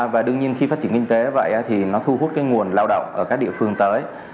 và đương nhiên khi phát triển kinh tế vậy thì nó thu hút nguồn lao động ở các địa phương tới